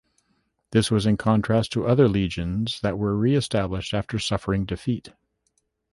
This was in contrast to other legions that were reestablished after suffering defeat.